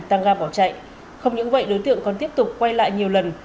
tăng ga bỏ chạy không những vậy đối tượng còn tiếp tục quay lại nhiều lần